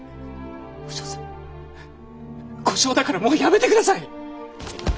お嬢さん後生だからもうやめて下さい！